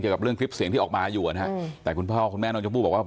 กับเรื่องคลิปเสียงที่ออกมาอยู่นะฮะแต่คุณพ่อคุณแม่น้องชมพู่บอกว่า